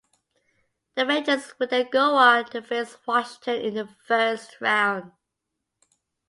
The Rangers would then go on to face Washington in the first round.